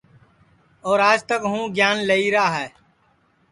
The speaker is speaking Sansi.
اور آج تک ہوں گیان لئیرا ہے